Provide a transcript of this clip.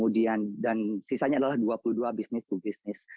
dan sisanya adalah dua puluh dua business to business